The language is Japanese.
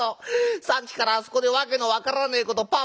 さっきからあそこで訳の分からねえことパーパーパーパー」。